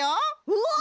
うわ！